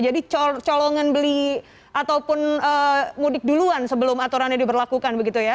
jadi colongan beli ataupun mudik duluan sebelum aturannya diberlakukan begitu ya